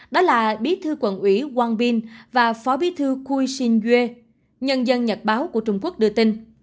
đó là bí thư quận ủy wang bin và phó bí thư kui xin yue nhân dân nhật báo của trung quốc đưa tin